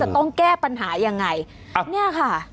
ต้องแก้ปัญหายังไงครับเนี่ยค่ะ